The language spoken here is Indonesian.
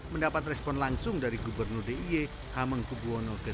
mendapat respon langsung dari gubernur d i y hamengkubwono ke sepuluh